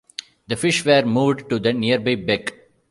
The fish were moved to the nearby beck.